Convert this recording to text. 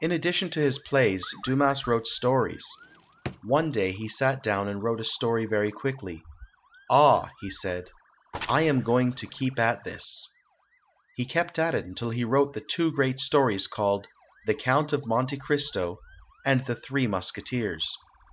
In addition to his plays, Dumas wrote stories. One day he sat down and wrote a story very 244 ] UNSUNG HEROES quickly. "Ah," he said, "I am going to keep at this." He kept at it until he wrote the two great stories called "The Count of Monte Cristo" and "The Three Musketeers".